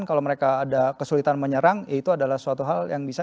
kalau mereka ada kesulitan menyerang itu adalah suatu hal yang bisa